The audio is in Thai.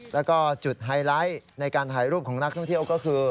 แล้วก็จุดไฮไลท์ในการถ่ายรูปของนักท่องเที่ยวก็คือ